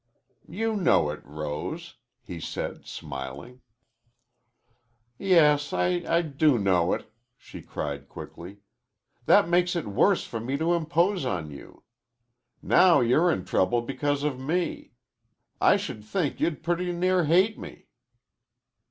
"You know it, Rose," he said, smiling. "Yes, I do know it," she cried quickly. "That makes it worse for me to impose on you. Now you're in trouble because of me. I should think you'd pretty near hate me."